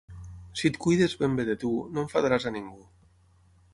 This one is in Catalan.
Si et cuides ben bé de tu, no enfadaràs a ningú.